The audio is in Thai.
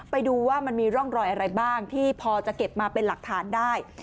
ไปดูว่ามันมีร่องรอยอะไรบ้างที่พอจะเก็บมาเป็นหลักฐานได้